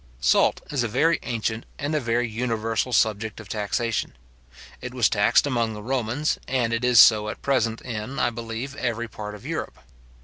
Salt is a very ancient and a very universal subject of taxation. It was taxed among the Romans, and it is so at present in, I believe, every part of Europe.